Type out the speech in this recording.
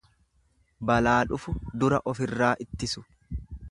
Balaa dhufu dura ofirraa ittisu.